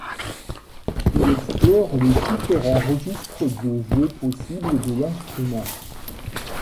Il explore les différents registres de jeu possibles de l'instrument.